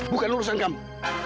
bukan urusan kamu